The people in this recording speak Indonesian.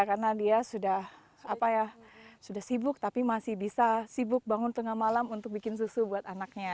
karena dia sudah apa ya sudah sibuk tapi masih bisa sibuk bangun tengah malam untuk bikin susu buat anaknya